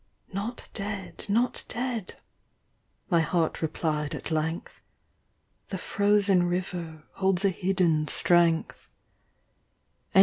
" Not dead, not dead ;" my heart replied at length, " The frozen river holds a hidden strength," WINTER.